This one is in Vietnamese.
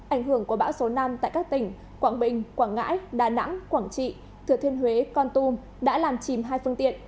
ảnh hưởng của bão số năm tại các tỉnh quảng bình quảng ngãi đà nẵng quảng trị thừa thiên huế con tum đã làm chìm hai phương tiện